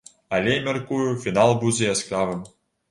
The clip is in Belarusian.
Але, мяркую, фінал будзе яскравым.